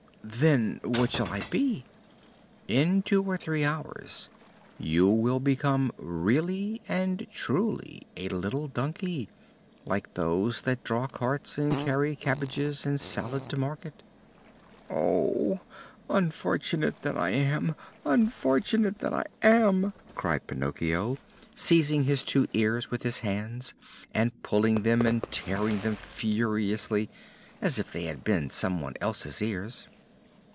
"Then what shall I be?" "In two or three hours you will become really and truly a little donkey, like those that draw carts and carry cabbages and salad to market." "Oh, unfortunate that I am! unfortunate that I am!" cried Pinocchio, seizing his two ears with his hands and pulling them and tearing them furiously as if they had been some one else's ears.